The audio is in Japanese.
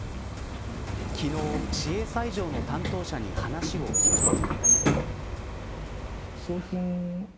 昨日、市営斎場の担当者に話を聞くと。